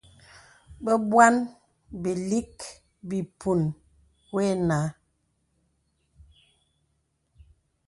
Bebuan bìlìk bìpun wə̀ nà.